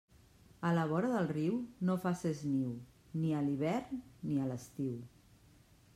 A la vora del riu no faces niu, ni a l'hivern ni a l'estiu.